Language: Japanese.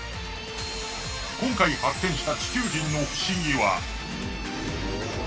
今回発見した地球人の不思議は。